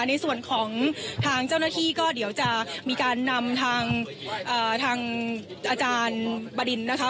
ในส่วนของทางเจ้าหน้าที่ก็เดี๋ยวจะมีการนำทางอาจารย์บรินนะคะ